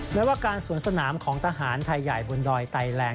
แม้ว่าการสวนสนามของทหารไทยใหญ่บนดอยไตแลนด